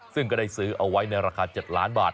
ซึ่งก็ได้ซื้อเอาไว้ในราคา๗ล้านบาท